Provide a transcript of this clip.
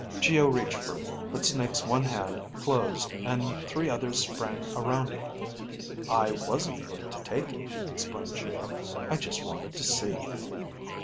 Geo reached for it, but Snake's one hand closed and three others sprang around it. "I wasn't going to take it," explained Geo. "I just wanted to see."